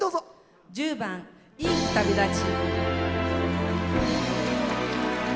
１０番「いい日旅立ち」。